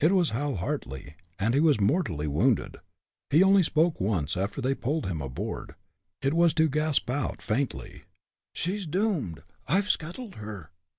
It was Hal Hartly, and he was mortally wounded. He only spoke once after they pulled him aboard; it was to gasp out faintly: "She's doomed! I've scuttled her!"